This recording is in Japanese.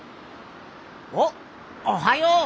おっおはよう！